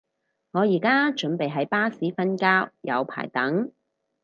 我而家準備喺巴士瞓覺，有排等